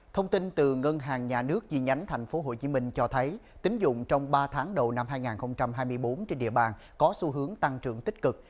thông tin từ ngân hàng nhà nước di nhánh tp hcm cho thấy tính dụng trong ba tháng đầu năm hai nghìn hai mươi bốn trên địa bàn có xu hướng tăng trưởng tích cực